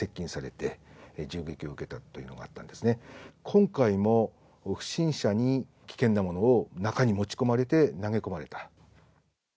今回も不審者に危険なものを中に持ち込まれて投げ込まれた。